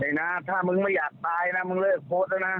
เดี๋ยวนะถ้ามึงไม่อยากตายนะมึงเลิกโพสต์ด้วยนะ